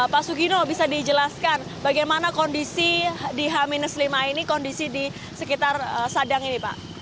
pak sugino bisa dijelaskan bagaimana kondisi di h lima ini kondisi di sekitar sadang ini pak